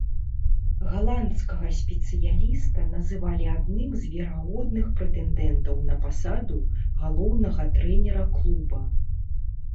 Галандскага спецыяліста называлі адным з верагодных прэтэндэнтаў на пасаду галоўнага трэнера клуба.